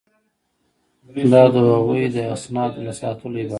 دا د هغوی د اسنادو له ساتلو عبارت ده.